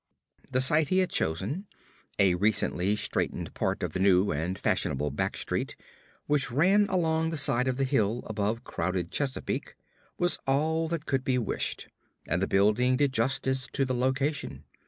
The site he had chosen a recently straightened part of the new and fashionable Back Street, which ran along the side of the hill above crowded Cheapside was all that could be wished, and the building did justice to the location.